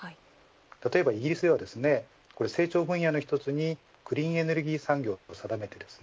例えばイギリスでは成長分野の一つにグリーンエネルギー産業というものを定めています。